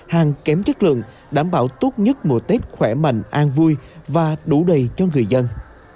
hàng kém chất lượng đảm bảo tốt nhất mùa tết khỏe mạnh an vui và đủ đầy cho người dân